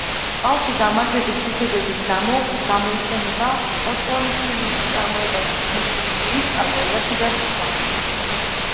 წყალში გამაგრების თვისების გამო გამოიყენება პორტლანდცემენტის წარმოებაში, მუქი მინის წარმოებაში და სხვა.